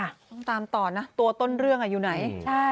ต้องตามต่อนะตัวต้นเรื่องอยู่ไหน